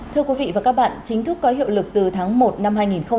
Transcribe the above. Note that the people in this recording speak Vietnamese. thưa quý vị và các bạn chính thức có hiệu lực từ tháng một năm hai nghìn hai mươi